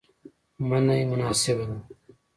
منی مناسبه ده